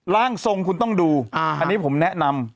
ร่างทรงคุณต้องดูอันนี้ผมแนะนำ